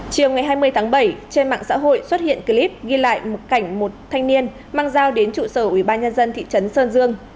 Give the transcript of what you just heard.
chiều ngày hai mươi tháng bảy trên mạng xã hội xuất hiện clip ghi lại một cảnh một thanh niên mang giao đến trụ sở ủy ban nhân dân thị trấn sơn dương